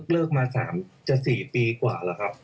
เลิกมา๓จะ๔ปีกว่าแล้วครับ